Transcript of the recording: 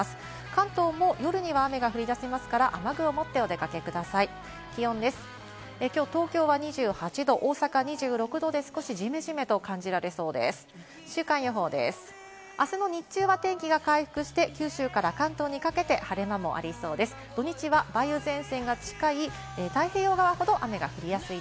関東も夜には雨が降り出しますから、雨具を持ってお出かけください。